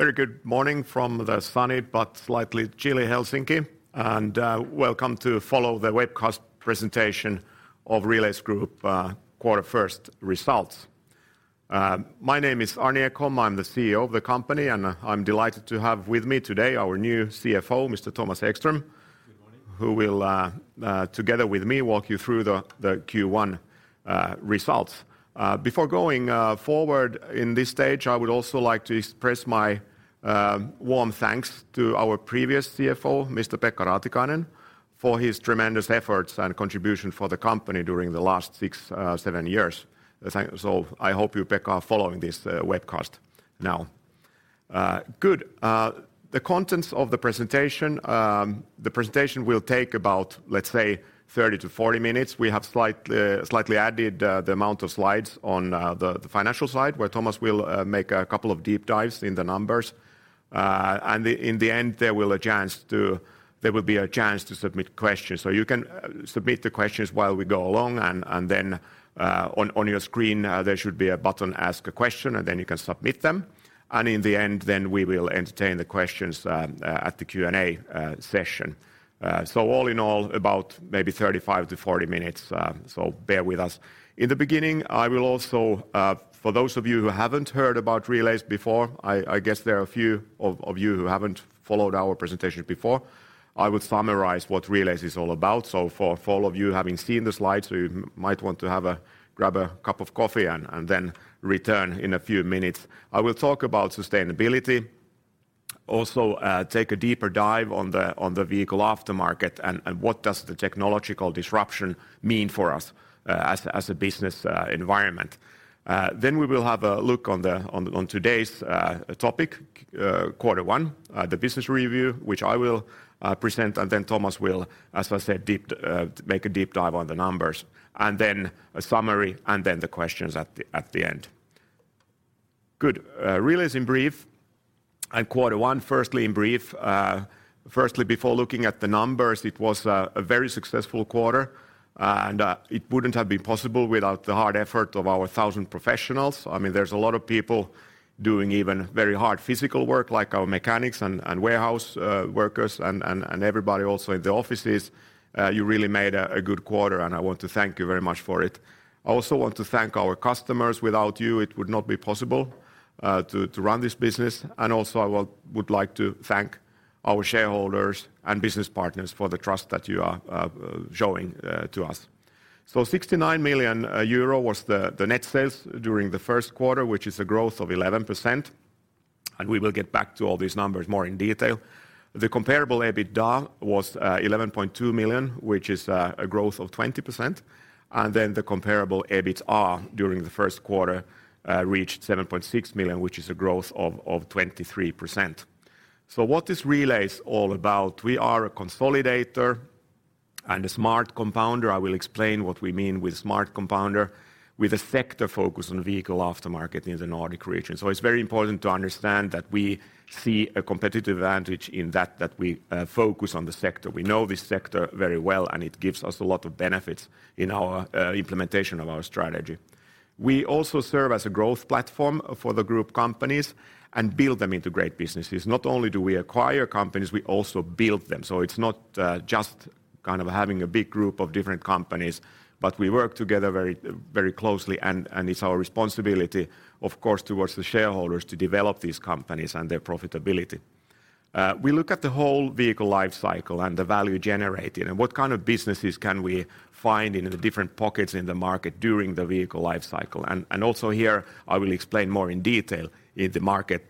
Very good morning from the sunny but slightly chilly Helsinki, and welcome to follow the webcast presentation of Relais Group, quarter first results. My name is Arni Ekholm. I'm the CEO of the company, and I'm delighted to have with me today our new CFO, Mr. Thomas Ekström. Good morning. Who will, together with me, walk you through the Q1 results. Before going forward in this stage, I would also like to express my warm thanks to our previous CFO, Mr. Pekka Raatikainen, for his tremendous efforts and contribution for the company during the last six, seven years. I hope you, Pekka, are following this webcast now. Good. The contents of the presentation, the presentation will take about, let's say, 30 to 40 minutes. We have slightly added the amount of slides on the financial side, where Thomas will make a couple of deep dives in the numbers. In the end, there will be a chance to submit questions. You can submit the questions while we go along, and then, on your screen, there should be a button, Ask a Question, and then you can submit them. In the end, then we will entertain the questions at the Q&A session. All in all, about maybe 35-40 minutes, so bear with us. In the beginning, I will also, for those of you who haven't heard about Relais before, I guess there are a few of you who haven't followed our presentation before, I would summarize what Relais is all about. For all of you having seen the slides, you might want to grab a cup of coffee and then return in a few minutes. I will talk about sustainability, also, take a deeper dive on the vehicle aftermarket and what does the technological disruption mean for us as a business environment. Then we will have a look on today's topic, quarter one, the business review, which I will present, then Thomas will, as I said, make a deep dive on the numbers. Then a summary, then the questions at the end. Good. Relais in brief and quarter one, firstly in brief. Firstly, before looking at the numbers, it was a very successful quarter, and it wouldn't have been possible without the hard effort of our 1,000 professionals. I mean, there's a lot of people doing even very hard physical work, like our mechanics and warehouse workers and everybody also in the offices. You really made a good quarter, and I want to thank you very much for it. I also want to thank our customers. Without you, it would not be possible to run this business. Also I would like to thank our shareholders and business partners for the trust that you are showing to us. 69 million euro was the net sales during the first quarter, which is a growth of 11%, and we will get back to all these numbers more in detail. The comparable EBITDA was 11.2 million, which is a growth of 20%, the comparable EBITA during the first quarter reached 7.6 million, which is a growth of 23%. What is Relais all about? We are a consolidator and a smart compounder, I will explain what we mean with smart compounder, with a sector focus on vehicle aftermarket in the Nordic region. It's very important to understand that we see a competitive advantage in that we focus on the sector. We know this sector very well, and it gives us a lot of benefits in our implementation of our strategy. We also serve as a growth platform for the group companies and build them into great businesses. Not only do we acquire companies, we also build them. It's not just kind of having a big group of different companies, but we work together very, very closely and it's our responsibility, of course, towards the shareholders to develop these companies and their profitability. We look at the whole vehicle life cycle and the value generated and what kind of businesses can we find in the different pockets in the market during the vehicle life cycle. Also here, I will explain more in detail in the market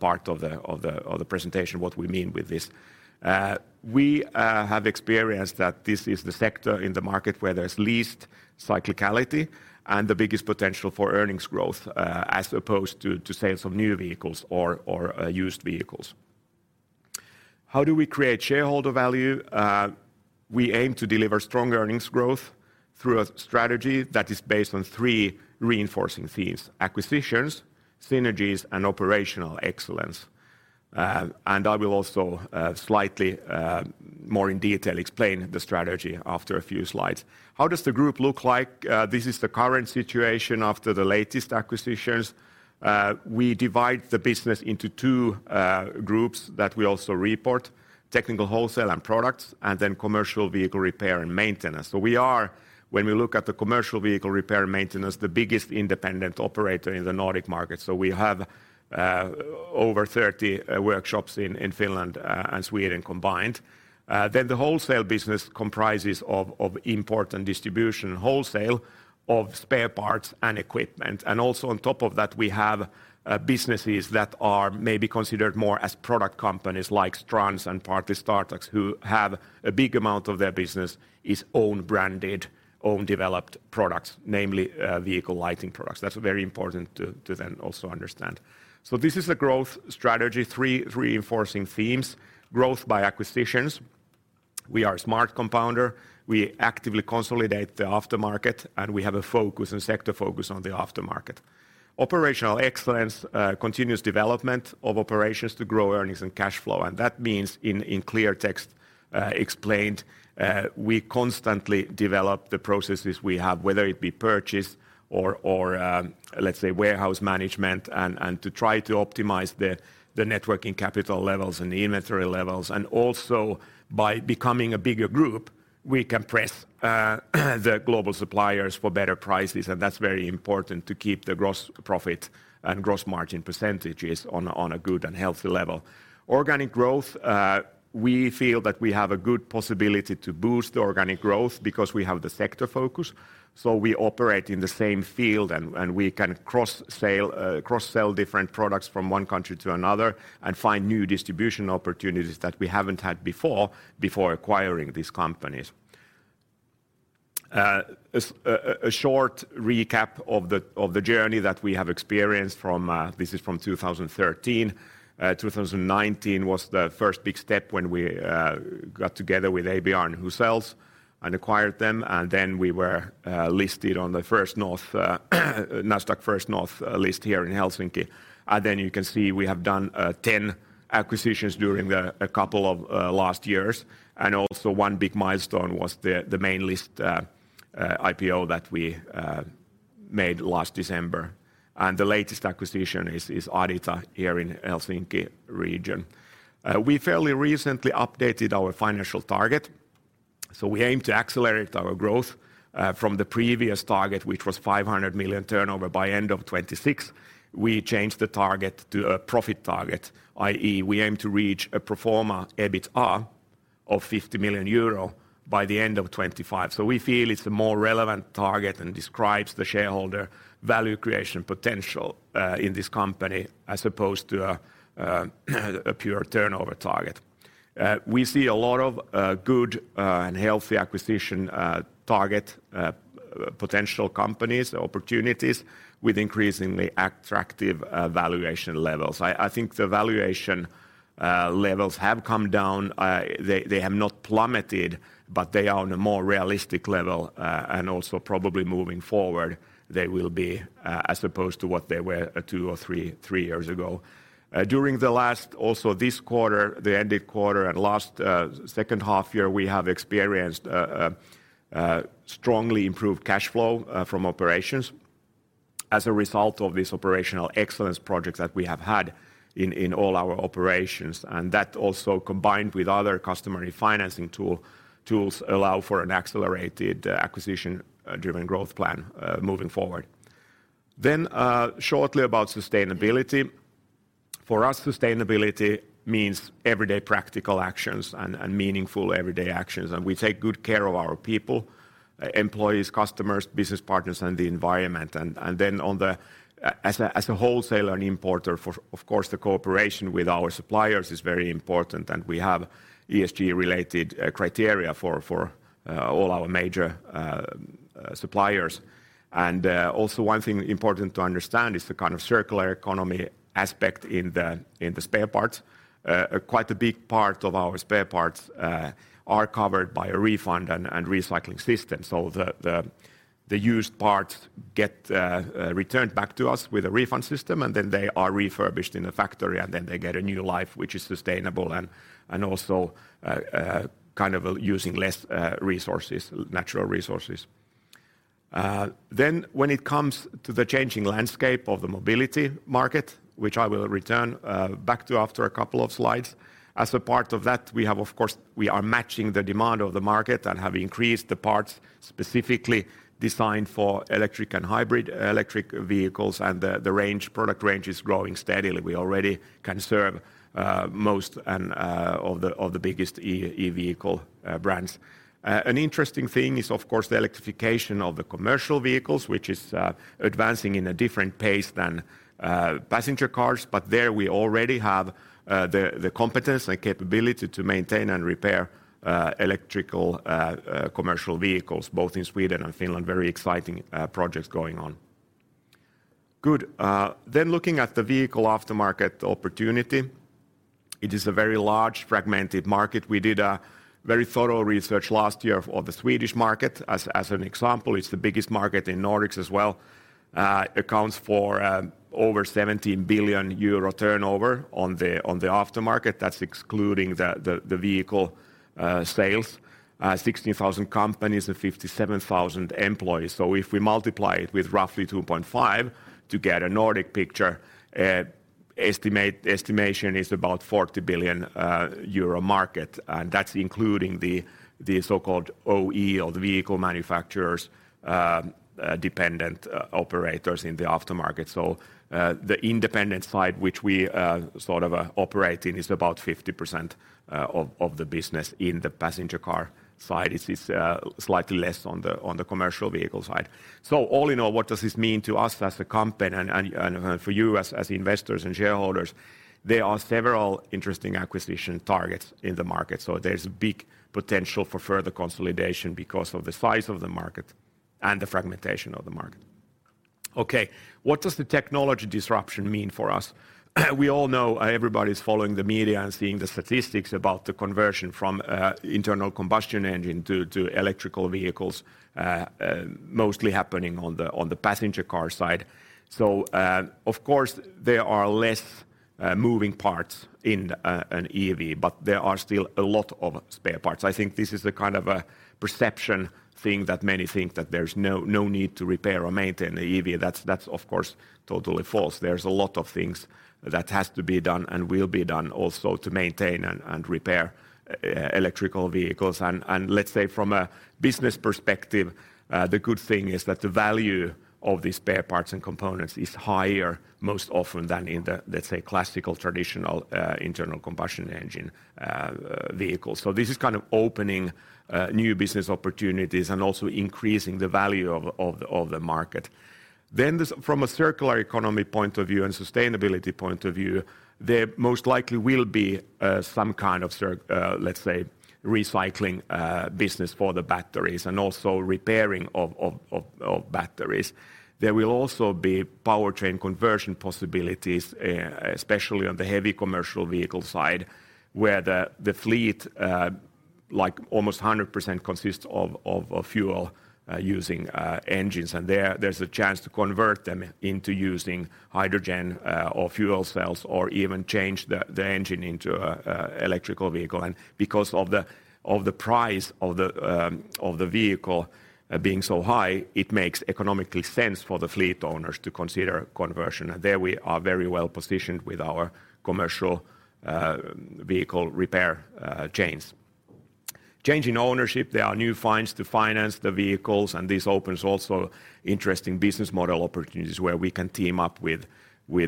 part of the presentation what we mean with this. We have experienced that this is the sector in the market where there's least cyclicality and the biggest potential for earnings growth as opposed to sales of new vehicles or used vehicles. How do we create shareholder value? We aim to deliver strong earnings growth through a strategy that is based on three reinforcing themes: acquisitions, synergies, and operational excellence. I will also slightly more in detail explain the strategy after a few slides. How does the group look like? This is the current situation after the latest acquisitions. We divide the business into two groups that we also report, technical wholesale and products, and then commercial vehicle repair and maintenance. We are, when we look at the commercial vehicle repair and maintenance, the biggest independent operator in the Nordic market. We have over 30 workshops in Finland and Sweden combined. The wholesale business comprises of import and distribution wholesale of spare parts and equipment. Also on top of that, we have businesses that are maybe considered more as product companies like Strands and Startax, who have a big amount of their business is own branded, own developed products, namely, vehicle lighting products. That's very important to then also understand. This is a growth strategy, three reinforcing themes: growth by acquisitions, we are a smart compounder, we actively consolidate the aftermarket, and we have a focus and sector focus on the aftermarket. Operational excellence, continuous development of operations to grow earnings and cash flow, and that means in clear text explained, we constantly develop the processes we have, whether it be purchase or, let's say warehouse management and to try to optimize the networking capital levels and the inventory levels. Also by becoming a bigger group, we can press the global suppliers for better prices, and that's very important to keep the gross profit and gross margin percentages on a good and healthy level. Organic growth, we feel that we have a good possibility to boost organic growth because we have the sector focus, so we operate in the same field and we can cross-sell different products from one country to another and find new distribution opportunities that we haven't had before acquiring these companies. A short recap of the journey that we have experienced from this is from 2013. 2019 was the first big step when we got together with ABR and Huzells and acquired them, then we were listed on the First North, Nasdaq First North list here in Helsinki. You can see we have done 10 acquisitions during the a couple of last years. One big milestone was the main list IPO that we made last December. The latest acquisition is Adita here in Helsinki region. We fairly recently updated our financial target. We aim to accelerate our growth from the previous target, which was 500 million turnover by end of 2026. We changed the target to a profit target, i.e., we aim to reach a pro forma EBITDA of 50 million euro by the end of 2025. We feel it's a more relevant target and describes the shareholder value creation potential in this company as opposed to a pure turnover target. We see a lot of good and healthy acquisition target potential companies or opportunities with increasingly attractive valuation levels. I think the valuation levels have come down. They have not plummeted, but they are on a more realistic level and also probably moving forward, they will be as opposed to what they were two or three years ago. During the last also this quarter, the ended quarter and last H2 year, we have experienced strongly improved cash flow from operations as a result of this operational excellence projects that we have had in all our operations. That also combined with other customary financing tools allow for an accelerated acquisition driven growth plan moving forward. Shortly about sustainability. For us, sustainability means everyday practical actions and meaningful everyday actions, and we take good care of our people, employees, customers, business partners, and the environment. Then on the as a wholesaler and importer for, of course, the cooperation with our suppliers is very important, and we have ESG related criteria for all our major suppliers. Also one thing important to understand is the kind of circular economy aspect in the spare parts. Quite a big part of our spare parts are covered by a refund and recycling system. The used parts get returned back to us with a refund system, and then they are refurbished in a factory, and then they get a new life, which is sustainable and also kind of using less resources, natural resources. When it comes to the changing landscape of the mobility market, which I will return back to after a couple of slides. As a part of that, we have, of course, we are matching the demand of the market and have increased the parts specifically designed for electric and hybrid electric vehicles and the product range is growing steadily. We already can serve most and of the biggest e-vehicle brands. An interesting thing is of course the electrification of the commercial vehicles, which is advancing in a different pace than passenger cars. There we already have the competence and capability to maintain and repair electrical commercial vehicles, both in Sweden and Finland. Very exciting projects going on. Good. Looking at the vehicle aftermarket opportunity, it is a very large fragmented market. We did a very thorough research last year of the Swedish market as an example. It's the biggest market in Nordics as well. Accounts for over 17 billion euro turnover on the aftermarket. That's excluding the vehicle sales. 16,000 companies and 57,000 employees. If we multiply it with roughly 2.5 to get a Nordic picture, estimation is about 40 billion euro market, and that's including the so-called OE or the vehicle manufacturers dependent operators in the aftermarket. The independent side, which we sort of operate in, is about 50% of the business in the passenger car side. It is slightly less on the commercial vehicle side. All in all, what does this mean to us as a company and for you as investors and shareholders? There are several interesting acquisition targets in the market, so there's big potential for further consolidation because of the size of the market and the fragmentation of the market. Okay, what does the technology disruption mean for us? We all know everybody's following the media and seeing the statistics about the conversion from internal combustion engine to electrical vehicles mostly happening on the, on the passenger car side. Of course, there are less moving parts in an EV, but there are still a lot of spare parts. I think this is a kind of a perception thing that many think that there's no need to repair or maintain the EV. That's of course totally false. There's a lot of things that has to be done and will be done also to maintain and repair electrical vehicles. Let's say from a business perspective, the good thing is that the value of these spare parts and components is higher most often than in the, let's say, classical, traditional, internal combustion engine vehicles. This is kind of opening new business opportunities and also increasing the value of the market. From a circular economy point of view and sustainability point of view, there most likely will be some kind of, let's say, recycling business for the batteries and also repairing of batteries. There will also be powertrain conversion possibilities, especially on the heavy commercial vehicle side, where the fleet like almost 100% consists of fuel using engines. There's a chance to convert them into using hydrogen or fuel cells or even change the engine into a electrical vehicle. Because of the price of the vehicle being so high, it makes economically sense for the fleet owners to consider conversion. There we are very well positioned with our commercial vehicle repair chains. Change in ownership, there are new fines to finance the vehicles, and this opens also interesting business model opportunities where we can team up with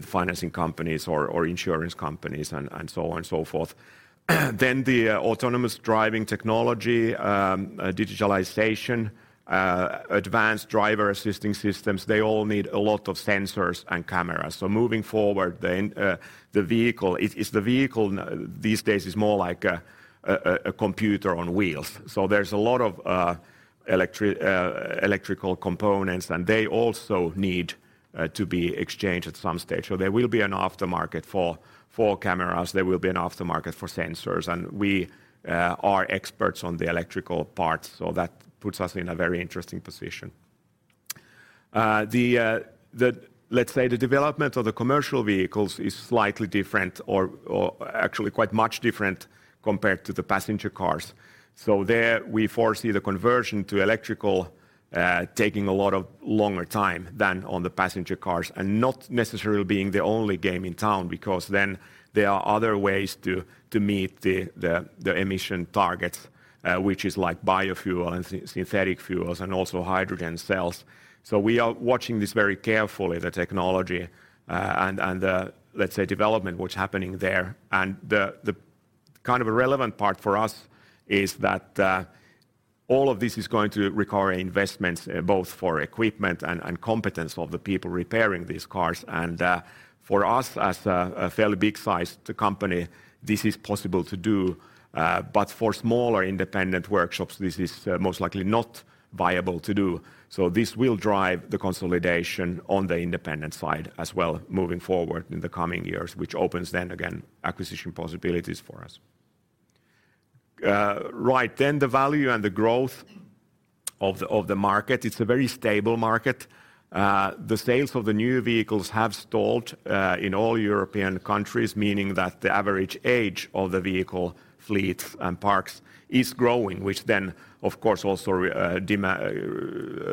financing companies or insurance companies, and so on and so forth. The autonomous driving technology, digitalization, advanced driver assisting systems, they all need a lot of sensors and cameras. Moving forward, the vehicle these days is more like a computer on wheels. There's a lot of electrical components, and they also need to be exchanged at some stage. There will be an aftermarket for cameras, there will be an aftermarket for sensors, and we are experts on the electrical parts, so that puts us in a very interesting position. Let's say the development of the commercial vehicles is slightly different or actually quite much different compared to the passenger cars. There we foresee the conversion to electrical taking a lot of longer time than on the passenger cars, and not necessarily being the only game in town because then there are other ways to meet the emission targets, which is like biofuel and synthetic fuels and also hydrogen cells. We are watching this very carefully, the technology, and the let's say, development, what's happening there. The kind of a relevant part for us is that all of this is going to require investments both for equipment and competence of the people repairing these cars. For us as a fairly big-sized company, this is possible to do. For smaller independent workshops, this is most likely not viable to do. This will drive the consolidation on the independent side as well moving forward in the coming years, which opens then again acquisition possibilities for us. The value and the growth of the market, it's a very stable market. The sales of the new vehicles have stalled in all European countries, meaning that the average age of the vehicle fleets and parks is growing, which then of course also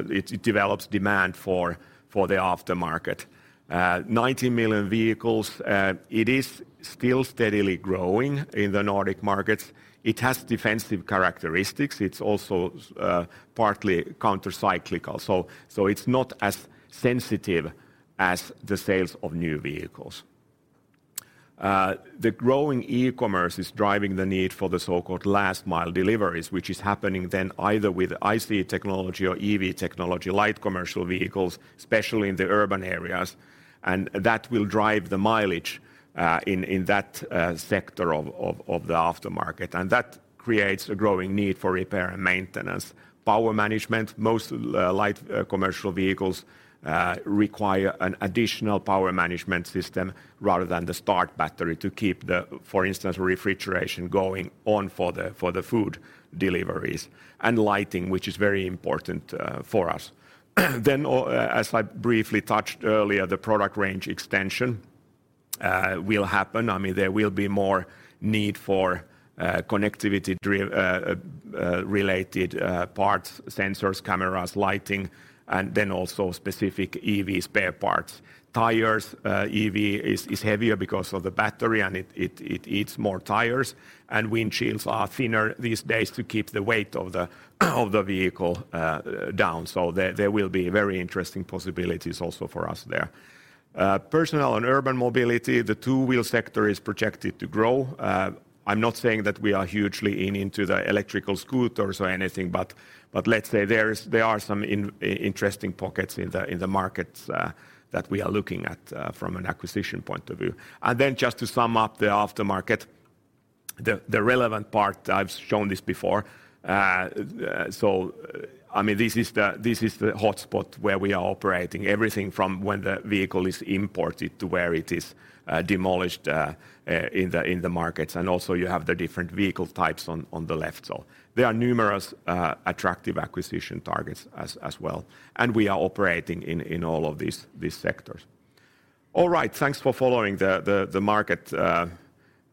it develops demand for the aftermarket. 90 million vehicles, it is still steadily growing in the Nordic markets. It has defensive characteristics. It's also partly counter-cyclical. It's not as sensitive as the sales of new vehicles. The growing e-commerce is driving the need for the so-called last mile deliveries, which is happening then either with ICE technology or EV technology, light commercial vehicles, especially in the urban areas. That will drive the mileage in that sector of the aftermarket. That creates a growing need for repair and maintenance. Power management, most light commercial vehicles require an additional power management system rather than the start battery to keep the, for instance, refrigeration going on for the food deliveries, and lighting, which is very important for us. As I briefly touched earlier, the product range extension will happen. I mean, there will be more need for connectivity related parts, sensors, cameras, lighting, and then also specific EV spare parts. Tires, EV is heavier because of the battery, and it eats more tires. Windshields are thinner these days to keep the weight of the vehicle down. There will be very interesting possibilities also for us there. Personal and urban mobility, the two-wheel sector is projected to grow. I'm not saying that we are hugely into the electrical scooters or anything, but let's say there are some interesting pockets in the markets that we are looking at from an acquisition point of view. Just to sum up the aftermarket, the relevant part, I've shown this before. I mean, this is the hotspot where we are operating. Everything from when the vehicle is imported to where it is demolished in the markets. You have the different vehicle types on the left. There are numerous attractive acquisition targets as well. We are operating in all of these sectors. All right, thanks for following the market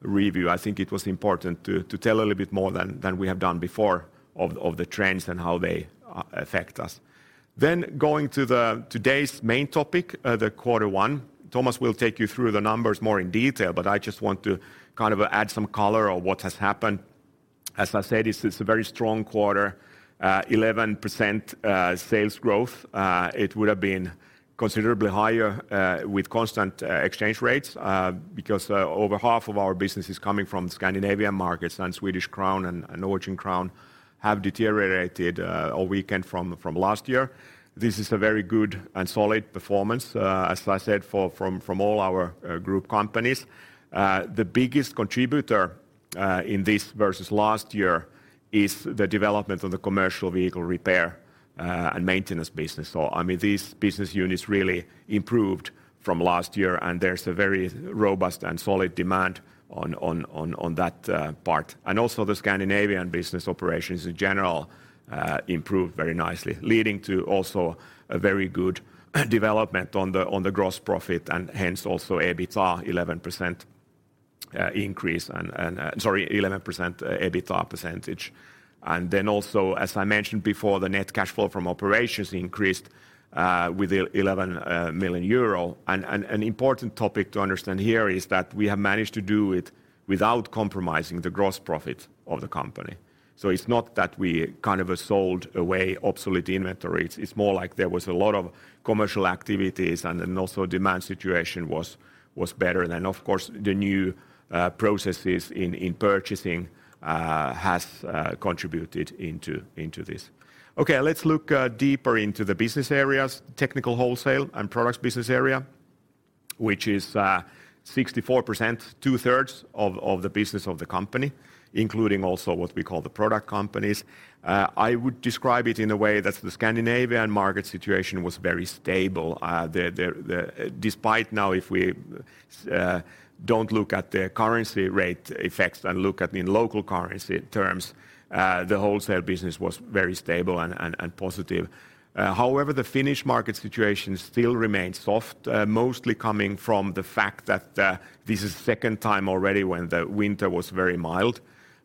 review. I think it was important to tell a little bit more than we have done before of the trends and how they affect us. Going to the today's main topic, the quarter one, Thomas will take you through the numbers more in detail, but I just want to kind of add some color on what has happened. As I said, it's a very strong quarter, 11% sales growth. It would've been considerably higher with constant exchange rates because over half of our business is coming from Scandinavian markets and Swedish crown and Norwegian crown have deteriorated or weakened from last year. This is a very good and solid performance, as I said, from all our group companies. The biggest contributor in this versus last year is the development of the commercial vehicle repair and maintenance business. I mean, these business units really improved from last year, and there's a very robust and solid demand on that part. Also the Scandinavian business operations in general improved very nicely, leading to also a very good development on the gross profit and hence also EBITDA 11% increase and sorry, 11% EBITDA percentage. Also, as I mentioned before, the net cash flow from operations increased with 11 million euro. An important topic to understand here is that we have managed to do it without compromising the gross profit of the company. It's not that we kind of sold away obsolete inventory. It's more like there was a lot of commercial activities and then also demand situation was better. Of course the new processes in purchasing has contributed into this. Let's look deeper into the business areas, technical wholesale and products business area, which is 64%, two-thirds of the business of the company, including also what we call the product companies. I would describe it in a way that the Scandinavian market situation was very stable. Despite now if we don't look at the currency rate effects and look at in local currency terms, the wholesale business was very stable and positive. However, the Finnish market situation still remains soft, mostly coming from the fact that this is second time already when the winter was very mild,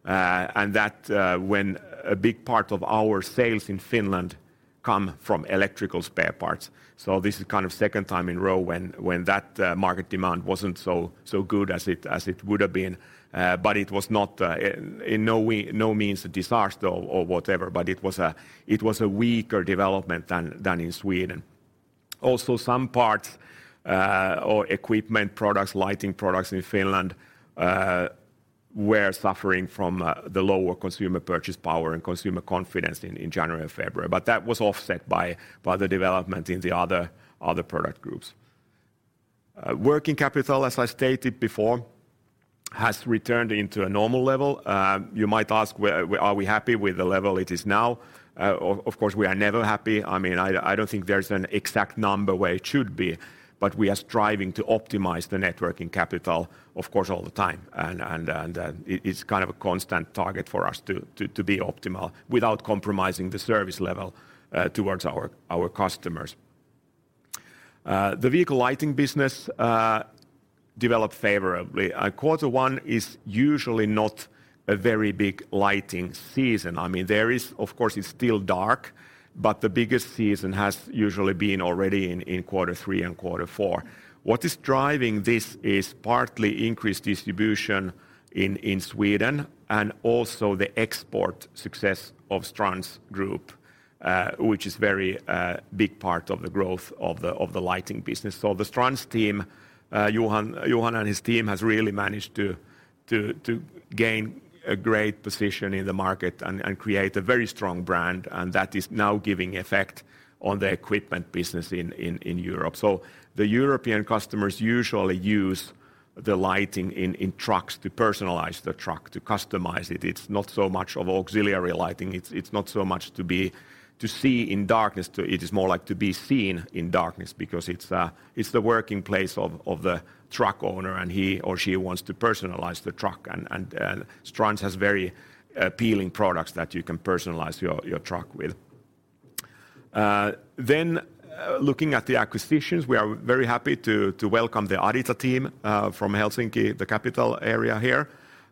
and that when a big part of our sales in Finland come from electrical spare parts. This is kind of 2nd time in row when that market demand wasn't so good as it would've been. It was not in no way, no means a disaster or whatever, but it was a weaker development than in Sweden. Some parts or equipment products, lighting products in Finland were suffering from the lower consumer purchase power and consumer confidence in January and February. That was offset by the development in the other product groups. Working capital, as I stated before, has returned into a normal level. You might ask are we happy with the level it is now? Of course, we are never happy. I mean, I don't think there's an exact number where it should be, but we are striving to optimize the net working capital, of course, all the time. It's kind of a constant target for us to be optimal without compromising the service level towards our customers. The vehicle lighting business developed favorably. Quarter one is usually not a very big lighting season. I mean, of course, it's still dark, but the biggest season has usually been already in quarter three and quarter four. What is driving this is partly increased distribution in Sweden and also the export success of Strands Group, which is very big part of the growth of the lighting business. The Strands team, Johan and his team has really managed to gain a great position in the market and create a very strong brand, and that is now giving effect on the equipment business in Europe. The European customers usually use the lighting in trucks to personalize the truck, to customize it. It's not so much of auxiliary lighting. It's not so much to see in darkness. It is more like to be seen in darkness because it's the working place of the truck owner and he or she wants to personalize the truck, and Strands has very appealing products that you can personalize your truck with. Looking at the acquisitions, we are very happy to welcome the Adita team from Helsinki, the capital area here,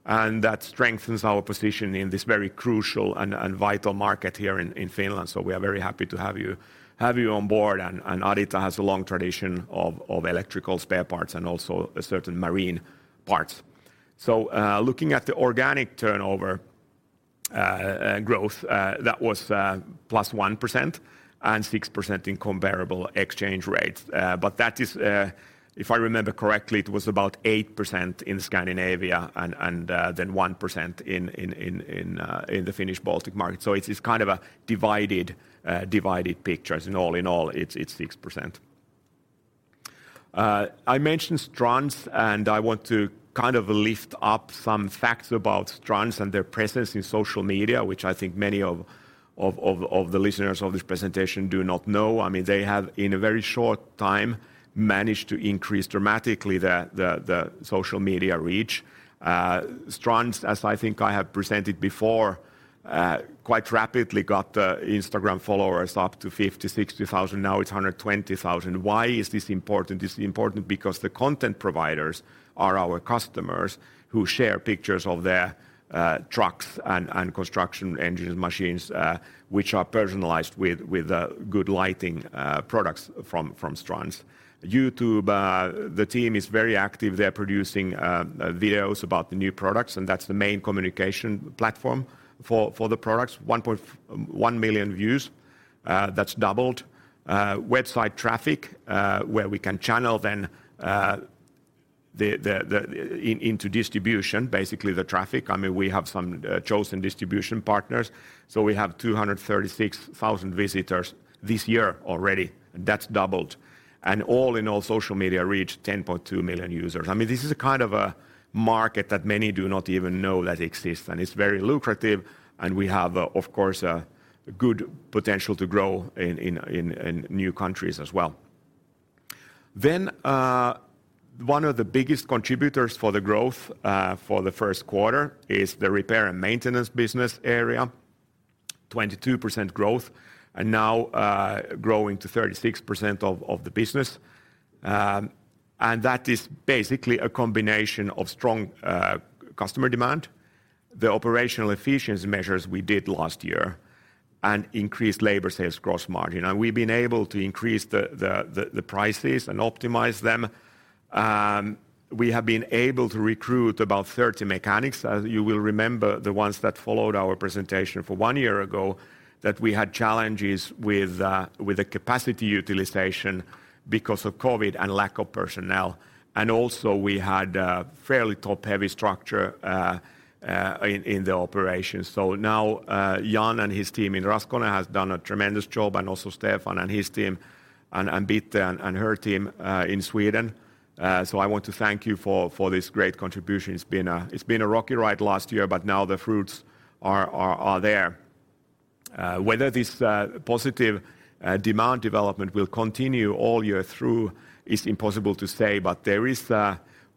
and that strengthens our position in this very crucial and vital market here in Finland. We are very happy to have you on board and Adita has a long tradition of electrical spare parts and also certain marine parts. Looking at the organic turnover growth, that was plus 1% and 6% in comparable exchange rates. That is, if I remember correctly, it was about 8% in Scandinavia and then 1% in the Finnish Baltic market. It's kind of a divided picture as in all in all it's 6%. I mentioned Strands, I want to kind of lift up some facts about Strands and their presence in social media, which I think many of the listeners of this presentation do not know. I mean, they have, in a very short time, managed to increase dramatically the social media reach. Strands, as I think I have presented before, quite rapidly got the Instagram followers up to 50,000-60,000. Now it's 120,000. Why is this important? This is important because the content providers are our customers who share pictures of their trucks and construction engines, machines, which are personalized with good lighting products from Strands. YouTube, the team is very active. They're producing videos about the new products, that's the main communication platform for the products. 1 million views, that's doubled. Website traffic, where we can channel then into distribution, basically the traffic. I mean, we have some chosen distribution partners, we have 236,000 visitors this year already, that's doubled. All in all, social media reach 10.2 million users. I mean, this is a kind of a market that many do not even know that exists, it's very lucrative, we have, of course, a good potential to grow in new countries as well. One of the biggest contributors for the growth for the first quarter is the repair and maintenance business area, 22% growth, and now growing to 36% of the business. That is basically a combination of strong customer demand, the operational efficiency measures we did last year, and increased labor sales gross margin. We've been able to increase the prices and optimize them. We have been able to recruit about 30 mechanics. As you will remember, the ones that followed our presentation for one year ago, that we had challenges with the capacity utilization because of COVID and lack of personnel. Also we had a fairly top-heavy structure in the operations. Now, Jan and his team in Raskone has done a tremendous job, and also Stefan and his team, and Bitte and her team in Sweden. I want to thank you for this great contribution. It's been a rocky ride last year, but now the fruits are there. Whether this positive demand development will continue all year through is impossible to say, but there is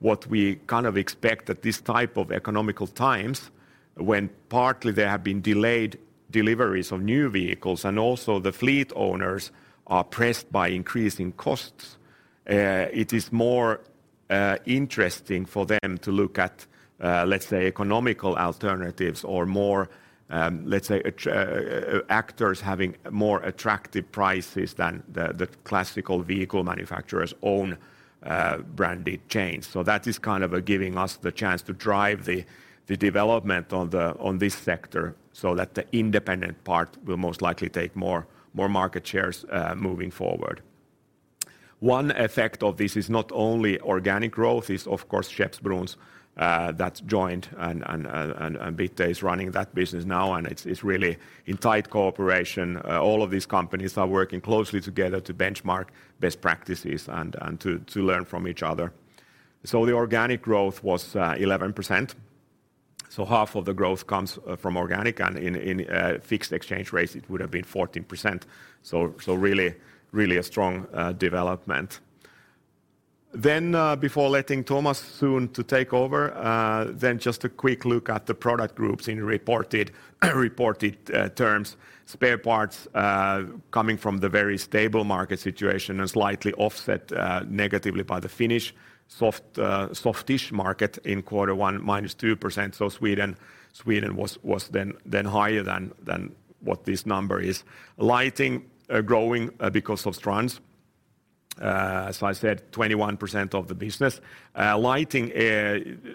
what we kind of expect at this type of economical times, when partly there have been delayed deliveries of new vehicles and also the fleet owners are pressed by increasing costs. It is more interesting for them to look at, let's say, economical alternatives or more, let's say, actors having more attractive prices than the classical vehicle manufacturer's own branded chains. That is kind of giving us the chance to drive the development on this sector that the independent part will most likely take more market shares moving forward. One effect of this is not only organic growth. It's of course Skeppsbron that's joined and Bitte is running that business now, and it's really in tight cooperation. All of these companies are working closely together to benchmark best practices and to learn from each other. The organic growth was 11%, half of the growth comes from organic, and in fixed exchange rates, it would have been 14%. Really a strong development. Before letting Thomas soon to take over, just a quick look at the product groups in reported terms. Spare parts, coming from the very stable market situation and slightly offset negatively by the Finnish soft, softish market in Q1, -2%. Sweden was then higher than what this number is. Lighting, growing because of Strands, as I said, 21% of the business. Lighting,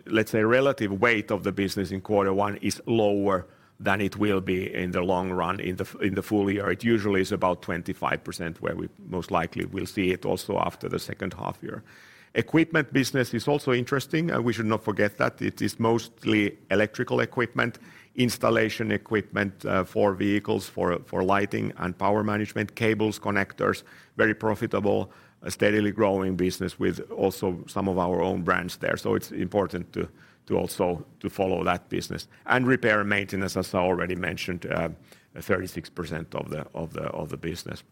let's say relative weight of the business in Q1 is lower than it will be in the long run in the full year. It usually is about 25%, where we most likely will see it also after the H2 year. Equipment business is also interesting, and we should not forget that. It is mostly electrical equipment, installation equipment, for vehicles, for lighting and power management, cables, connectors, very profitable, a steadily growing business with also some of our own brands there. Repair and maintenance, as I already mentioned, 36% of the business.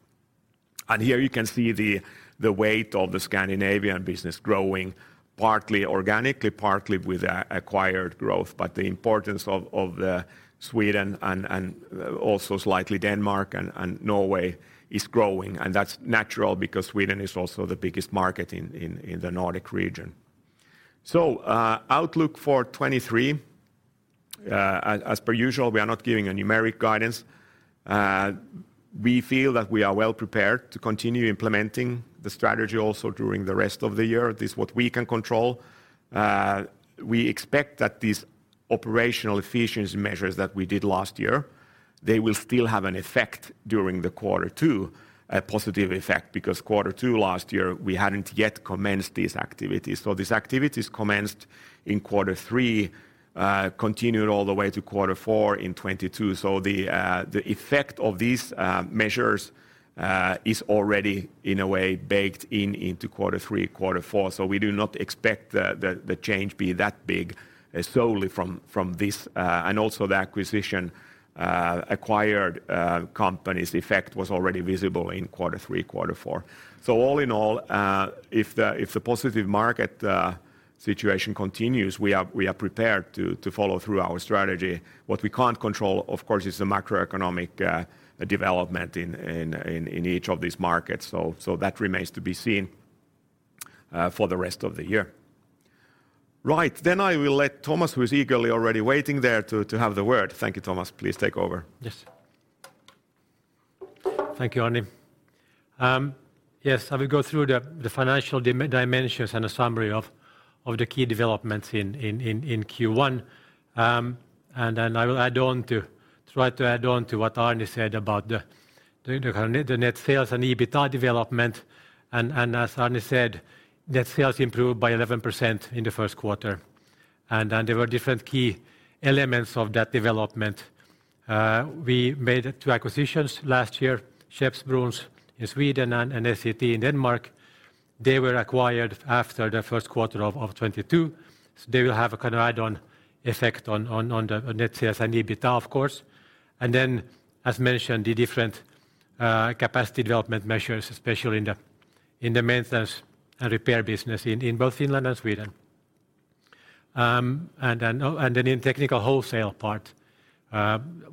Here you can see the weight of the Scandinavian business growing partly organically, partly with acquired growth. The importance of Sweden and also slightly Denmark and Norway is growing, and that's natural because Sweden is also the biggest market in the Nordic region. Outlook for 2023. As per usual, we are not giving a numeric guidance. We feel that we are well prepared to continue implementing the strategy also during the rest of the year. This is what we can control. We expect that these operational efficiency measures that we did last year. They will still have an effect during the quarter two, a positive effect, because quarter two last year, we hadn't yet commenced these activities. These activities commenced in quarter three, continued all the way to quarter four in 2022. The effect of these measures is already in a way baked in into quarter three, quarter four. We do not expect the change be that big, solely from this. Also the acquisition acquired company's effect was already visible in quarter three, quarter four. All in all, if the positive market situation continues, we are prepared to follow through our strategy. What we can't control, of course, is the macroeconomic development in each of these markets. That remains to be seen for the rest of the year. Right. I will let Thomas, who is eagerly already waiting there to have the word. Thank you, Thomas. Please take over. Yes. Thank you, Arne. Yes, I will go through the financial dimensions and a summary of the key developments in Q1. Then I will try to add on to what Arne said about the net sales and the EBITDA development. As Arne said, net sales improved by 11% in the first quarter. Then there were different key elements of that development. We made two acquisitions last year, Skeppsbron in Sweden and SEC in Denmark. They were acquired after the first quarter of 2022. They will have a kind of add-on effect on the net sales and EBITDA, of course. Then as mentioned, the different capacity development measures, especially in the maintenance and repair business in both Finland and Sweden. In technical wholesale part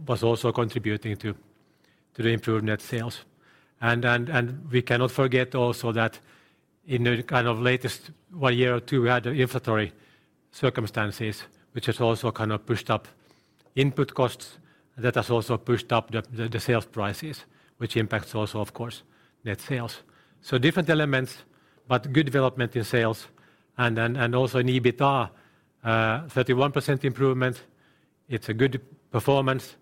was also contributing to the improved net sales. We cannot forget also that in the kind of latest one year or two, we had the inflationary circumstances, which has also kind of pushed up input costs. That has also pushed up the sales prices, which impacts also, of course, net sales. Different elements, but good development in sales and also in EBITDA, 31% improvement. It's a good performance.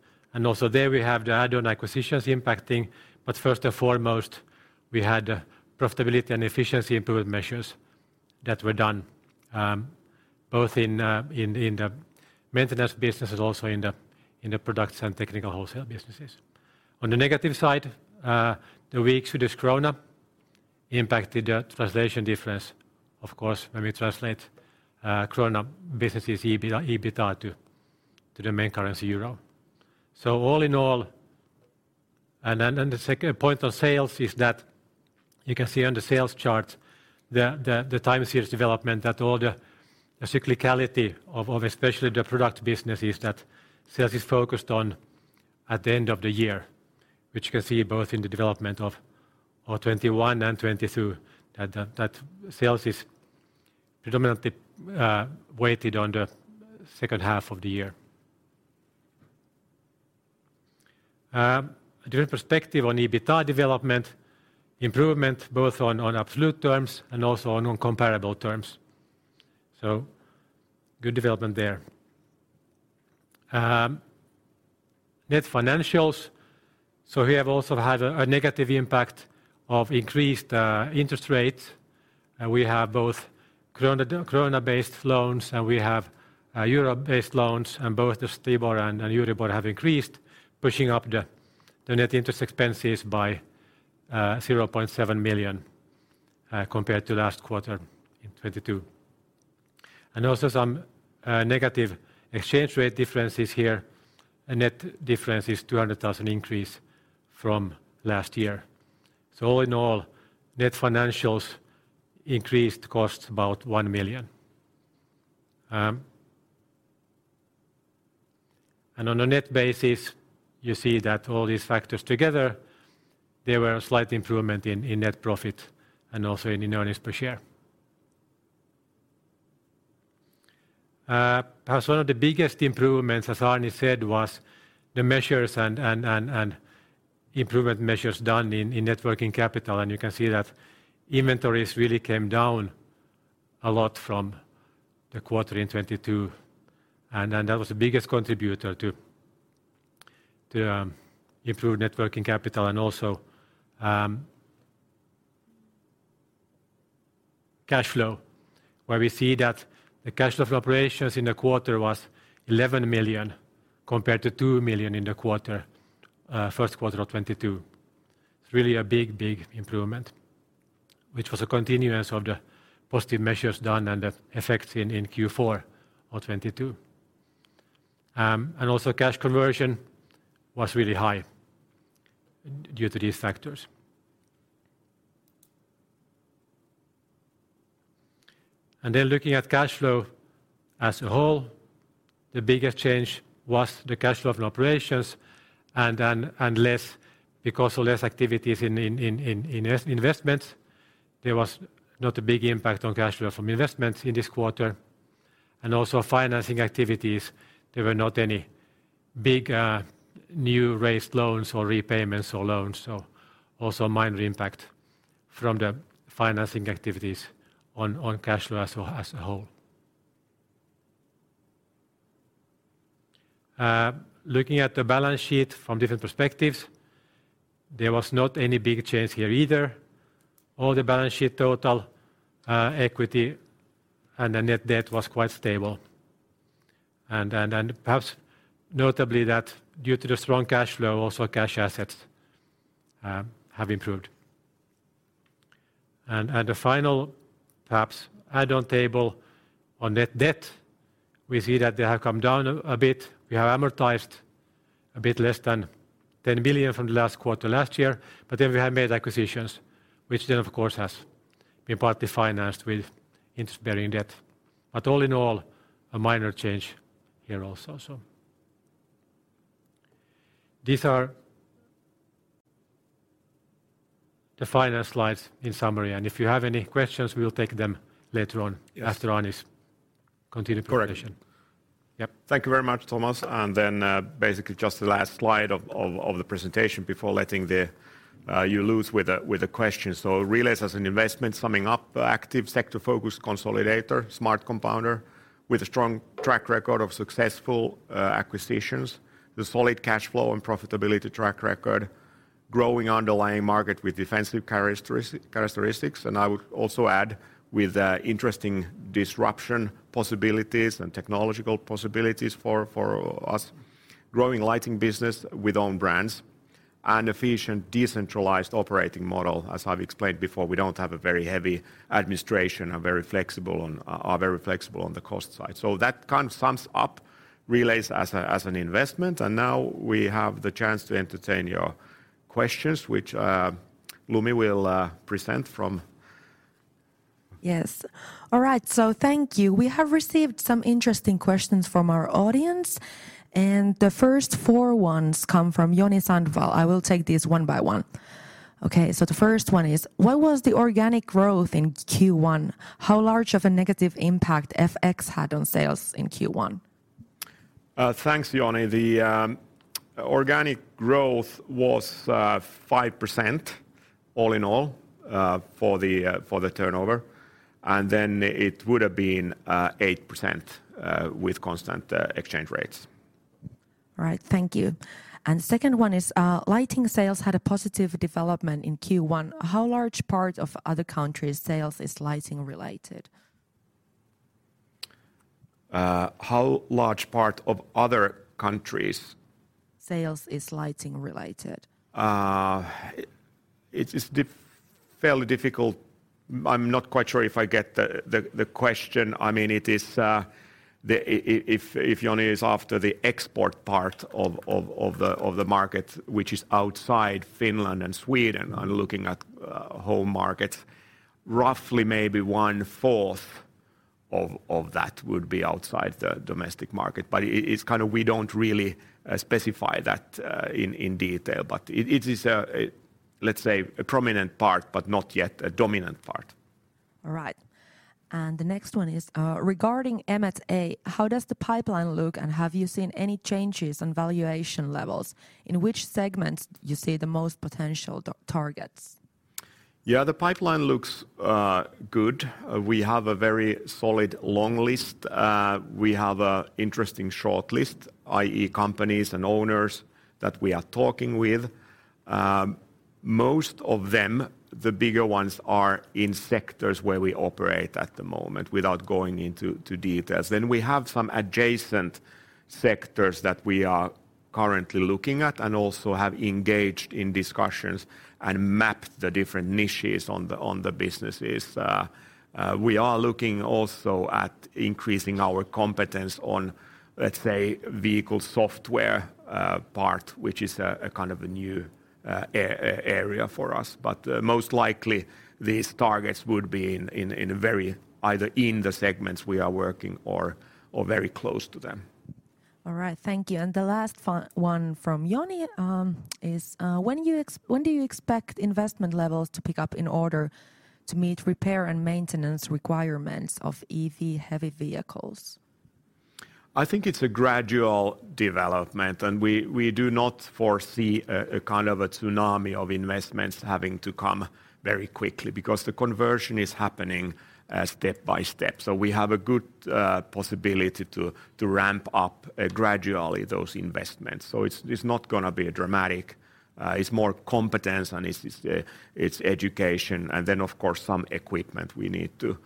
Also there we have the add-on acquisitions impacting. First and foremost, we had profitability and efficiency improvement measures that were done both in the maintenance businesses, also in the products and technical wholesale businesses. On the negative side, the weak Swedish krona impacted the translation difference, of course, when we translate krona business's EBITDA to the main currency euro. All in all, the second point of sales is that you can see on the sales chart the time series development that all the cyclicality of especially the product business is that sales is focused on at the end of the year, which you can see both in the development of 21 and 22 that sales is predominantly weighted on the second half of the year. A different perspective on EBITDA development, improvement both on absolute terms and also on comparable terms. Good development there. Net financials. We have also had a negative impact of increased interest rates. We have both krona-based loans, and we have euro-based loans, and both the STIBOR and Euribor have increased, pushing up the net interest expenses by 0.7 million compared to last quarter in 2022. Also some negative exchange rate differences here. A net difference is 200,000 increase from last year. All in all, net financials increased costs about EUR 1 million. On a net basis, you see that all these factors together, there were a slight improvement in net profit and also in earnings per share. Perhaps one of the biggest improvements, as Arne said, was the measures and improvement measures done in net working capital. You can see that inventories really came down a lot from the quarter in 2022. That was the biggest contributor to improved net working capital and also cash flow, where we see that the cash flow from operations in the quarter was 11 million compared to 2 million in the quarter, first quarter of 2022. It's really a big, big improvement, which was a continuance of the positive measures done and the effects in Q4 of 2022. Also cash conversion was really high due to these factors. Looking at cash flow as a whole, the biggest change was the cash flow from operations and then, and less because of less activities in investments. There was not a big impact on cash flow from investments in this quarter. Also financing activities, there were not any big new raised loans or repayments or loans. Also a minor impact from the financing activities on cash flow as a whole. Looking at the balance sheet from different perspectives, there was not any big change here either. All the balance sheet total, equity and the net debt was quite stable. Perhaps notably that due to the strong cash flow, also cash assets have improved. The final perhaps add-on table on net debt, we see that they have come down a bit. We have amortized a bit less than 10 billion from the last quarter last year, we have made acquisitions which then of course has been partly financed with interest-bearing debt. All in all, a minor change here also. These are the final slides in summary, if you have any questions, we'll take them later on. Yes... after Arni's continued presentation. Correct. Yep. Thank you very much, Thomas. Then, basically just the last slide of the presentation before letting you loose with the questions. Relais Group as an investment summing up, active sector-focused consolidator, smart compounder with a strong track record of successful acquisitions, the solid cash flow and profitability track record, growing underlying market with defensive characteristics, and I would also add with interesting disruption possibilities and technological possibilities for us, growing lighting business with own brands, and efficient decentralized operating model. As I've explained before, we don't have a very heavy administration, are very flexible and are very flexible on the cost side. That kind of sums up Relais Group as an investment, and now we have the chance to entertain your questions, which Lumi will present from... Yes. All right, thank you. We have received some interesting questions from our audience. The first four ones come from Joni Sandvall. I will take these one by one. The first one is, "What was the organic growth in Q1? How large of a negative impact FX had on sales in Q1? Thanks, Joni. The organic growth was 5% all in all for the for the turnover, and then it would've been 8% with constant exchange rates. All right, thank you. Second one is, "Lighting sales had a positive development in Q1. How large part of other countries' sales is lighting-related? How large part of other countries'... Sales is lighting-related. It is fairly difficult. I'm not quite sure if I get the question. I mean, it is, if Joni is after the export part of the market which is outside Finland and Sweden and looking at home markets, roughly maybe one-fourth of that would be outside the domestic market. It's kind of we don't really specify that in detail, but it is a, let's say, a prominent part but not yet a dominant part. All right. The next one is, "Regarding M&A, how does the pipeline look, and have you seen any changes on valuation levels? In which segments do you see the most potential targets? Yeah, the pipeline looks good. We have a very solid long list. We have a interesting short list, i.e., companies and owners that we are talking with. Most of them, the bigger ones, are in sectors where we operate at the moment, without going into details. We have some adjacent sectors that we are currently looking at and also have engaged in discussions and mapped the different niches on the businesses. We are looking also at increasing our competence on, let's say, vehicle software part, which is a kind of a new area for us. Most likely these targets would be in a very either in the segments we are working or very close to them. All right, thank you. The last one from Joni is, "When do you expect investment levels to pick up in order to meet repair and maintenance requirements of EV-heavy vehicles? I think it's a gradual development. We do not foresee a kind of a tsunami of investments having to come very quickly because the conversion is happening step by step. We have a good possibility to ramp up gradually those investments. It's not gonna be dramatic. It's more competence, and it's education and then of course some equipment we need to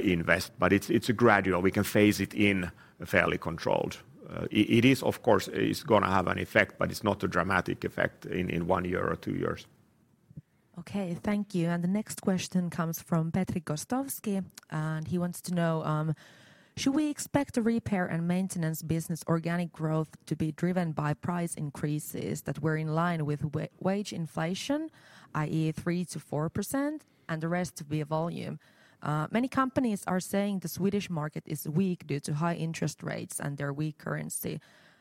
invest. It's a gradual. We can phase it in fairly controlled. It is, of course, gonna have an effect, but it's not a dramatic effect in one year or two years. Okay, thank you. The next question comes from Petri Gostowski. He wants to know: "Should we expect the repair and maintenance business organic growth to be driven by price increases that were in line with wage inflation, i.e., 3%-4%, and the rest to be a volume? Many companies are saying the Swedish market is weak due to high interest rates and their weak currency.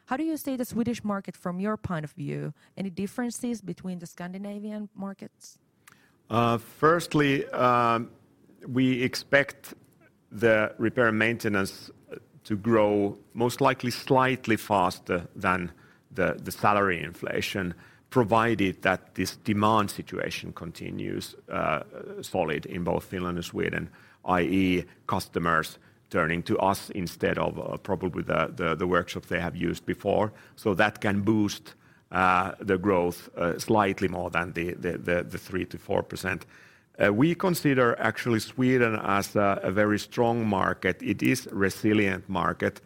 How do you see the Swedish market from your point of view? Any differences between the Scandinavian markets? Firstly, The repair and maintenance to grow most likely slightly faster than the salary inflation, provided that this demand situation continues solid in both Finland and Sweden, i.e. customers turning to us instead of probably the workshop they have used before. That can boost the growth slightly more than the 3%-4%. We consider actually Sweden as a very strong market. It is resilient market.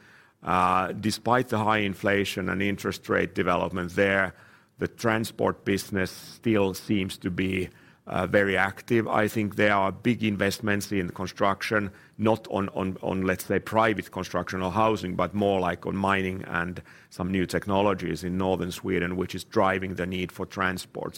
Despite the high inflation and interest rate development there, the transport business still seems to be very active. I think there are big investments in the construction, not on, let's say, private construction or housing, but more like on mining and some new technologies in northern Sweden, which is driving the need for transport.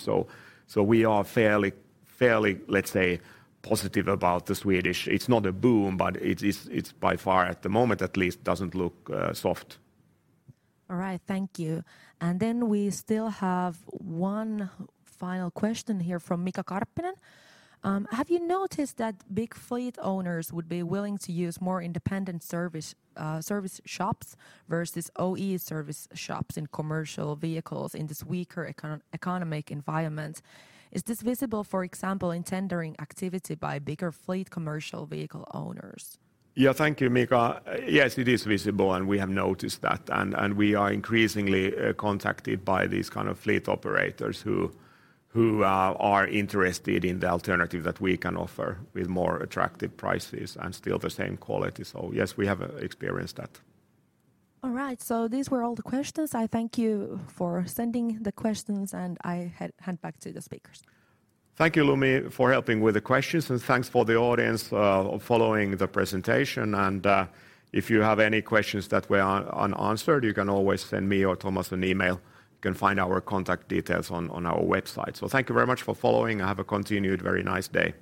We are fairly, let's say, positive about the Swedish. It's not a boom, but it is. It's by far, at the moment at least, doesn't look soft. All right. Thank you. We still have one final question here from Mika Karppinen. Have you noticed that big fleet owners would be willing to use more independent service shops versus OE service shops in commercial vehicles in this weaker economic environment? Is this visible, for example, in tendering activity by bigger fleet commercial vehicle owners? Yeah. Thank you, Mika. Yes, it is visible, and we have noticed that. We are increasingly contacted by these kind of fleet operators who are interested in the alternative that we can offer with more attractive prices and still the same quality. Yes, we have experienced that. All right. These were all the questions. I thank you for sending the questions, and I hand back to the speakers. Thank you, Lumi, for helping with the questions, and thanks for the audience following the presentation. If you have any questions that were unanswered, you can always send me or Thomas an email. You can find our contact details on our website. Thank you very much for following. Have a continued very nice day.